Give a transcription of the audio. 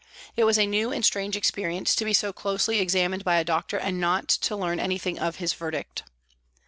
It was a new and strange experience to be so closely examined by a doctor and not to learn anything of his verdict.